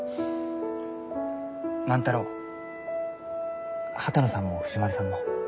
万太郎波多野さんも藤丸さんも。